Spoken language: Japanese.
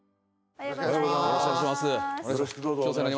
よろしくお願いします。